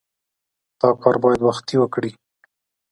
دا کار باید وختي وکړې.